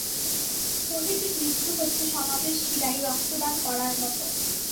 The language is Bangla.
শহীদী মৃত্যু হচ্ছে সমাজের শিরায় রক্তদান করার মতো।